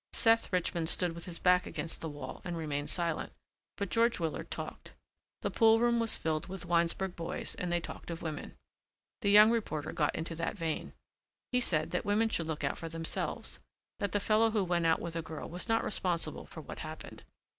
Seth Richmond stood with his back against the wall and remained silent, but George Willard talked. The pool room was filled with Winesburg boys and they talked of women. The young reporter got into that vein. He said that women should look out for themselves, that the fellow who went out with a girl was not responsible for what happened.